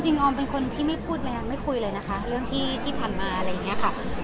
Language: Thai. จริงอ๋อลมเป็นคนที่ไม่พูดไม่คุยเรื่องที่ที่ผ่านมาเรื่องเหมือนนี้